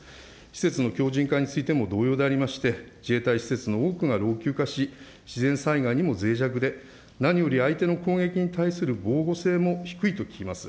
施設の強じん化についても同様でありまして、自衛隊施設の多くが老朽化し、自然災害にもぜい弱で、何より相手の攻撃に対する防護性も低いと聞きます。